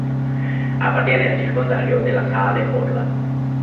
Appartiene al circondario della Saale-Orla.